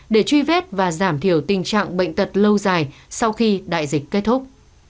để truy vết và giảm thiểu tình trạng bệnh tật lâu dài sau khi đại dịch kết thúc